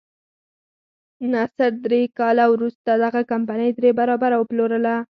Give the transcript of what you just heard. نصر درې کاله وروسته دغه کمپنۍ درې برابره وپلورله.